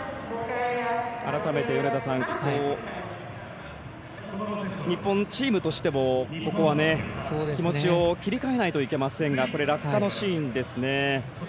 改めて、米田さん日本チームとしてもここは気持ちを切り替えないといけませんが落下のシーンです。